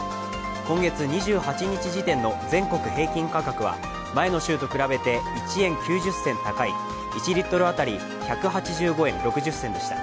今月２８日時点の全国平均価格は前の週と比べて１円９０銭高い１リットル当たり１８５円６０銭でした。